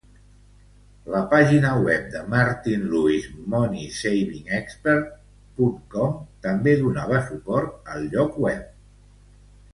La pàgina web de Martin Lewis MoneySavingExpert.com també donava suport al lloc web.